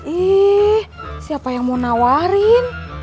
ih siapa yang mau nawarin